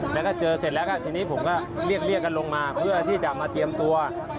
แล้วก็เจอเสร็จแล้วก็ทีนี้ผมก็เรียกกันลงมาเพื่อที่จะมาเตรียมตัว